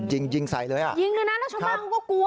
ยิงยิงใส่เลยอ่ะยิงเลยนะแล้วชาวบ้านเขาก็กลัว